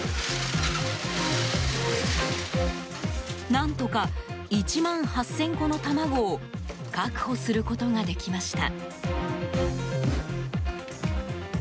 何とか、１万８０００個の卵を確保することができました。